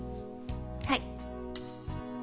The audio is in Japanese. はい。